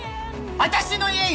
私の家よ！